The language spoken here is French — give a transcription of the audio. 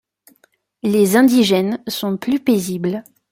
Les indigènes sont plus paisibles.